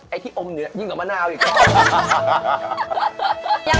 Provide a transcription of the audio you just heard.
ไอ้ที่อมเนื้อยิ่งกับมะนาวอีกครั้ง